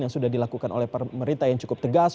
yang sudah dilakukan oleh pemerintah yang cukup tegas